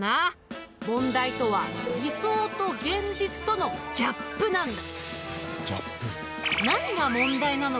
問題とは理想と現実とのギャップなんだ。